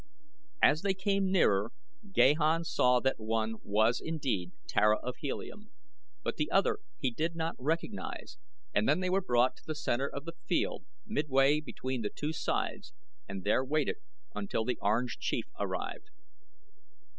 As they came nearer Gahan saw that one was indeed Tara of Helium, but the other he did not recognize, and then they were brought to the center of the field midway between the two sides and there waited until the Orange Chief arrived.